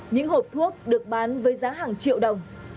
những hộp thuốc được bán với giá hàng triệu đồng